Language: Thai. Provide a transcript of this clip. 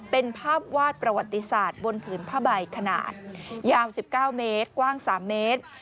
เป็นภาพวาดประวัติศาสตร์บนผืนผ้าใบขนาดยาว๑๙เมตรกว้าง๓เมตร